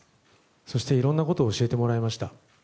そして、いろんなことを教えてもらいました。